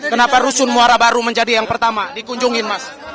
kenapa rusun muara baru menjadi yang pertama dikunjungin mas